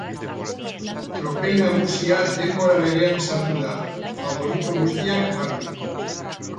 Tropel nagusia denbora berean sartu da, faborito guztiak barne.